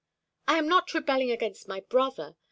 "I am not rebelling against my brother.